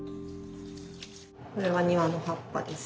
これは庭の葉っぱです。